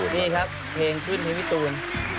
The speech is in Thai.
นี่ครับเพลงขึ้นให้พี่ตูน